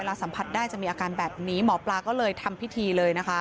สัมผัสได้จะมีอาการแบบนี้หมอปลาก็เลยทำพิธีเลยนะคะ